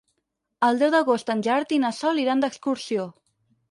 El deu d'agost en Gerard i na Sol iran d'excursió.